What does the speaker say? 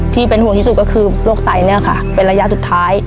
ที่เป็นห่วงที่สุดคือโรตไตเป็นระยะสุดท้าย